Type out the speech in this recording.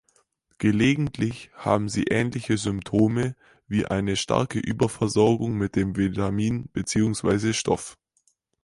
Gelegentlich haben sie ähnliche Symptome wie eine starke Überversorgung mit dem Vitamin beziehungsweise Stoff.